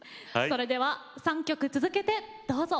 それでは３曲続けてどうぞ。